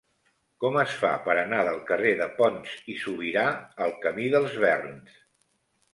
Com es fa per anar del carrer de Pons i Subirà al camí dels Verns?